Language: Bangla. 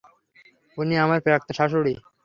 উনি আমার প্রাক্তন শাশুড়ি।